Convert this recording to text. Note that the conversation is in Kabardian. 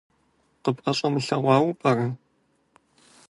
КъыпӀэщӀэмылъэгъуауэ пӀэрэ?